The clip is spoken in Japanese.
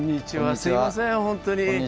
すいません本当に。